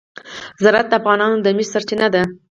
زراعت د افغانانو د معیشت سرچینه ده.